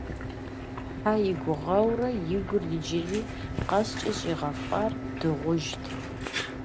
Хьэ и гугъэурэ и гур иджыри къэскӀэ щӀигъэфӀар - дыгъужьт!